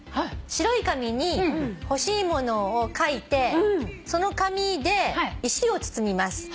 「白い紙に欲しいものを書いてその紙で石を包みます」